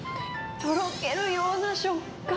とろけるような食感。